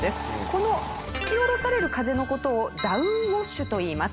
この吹き下ろされる風の事をダウンウォッシュといいます。